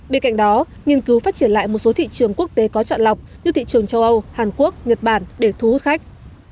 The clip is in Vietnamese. bên cạnh đó nghiên cứu phát triển lại một số thị trường quốc tế có chọn lọc như thị trường châu âu hàn quốc nhật bản để thu hút khách